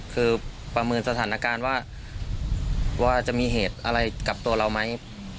คือประเมินสถานการณ์ว่าจะมีเหตุอะไรกับตัวเราไหม